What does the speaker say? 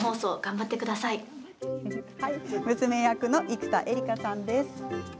娘役の生田絵梨花さんです。